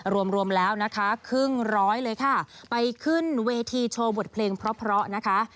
รวมรวมแล้วนะคะครึ่งร้อยเลยค่ะไปขึ้นเวทีโชว์บทเพลงเพราะนะคะ